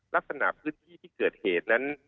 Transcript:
ลักษณะพื้นที่ที่เกิดเหตุนั้น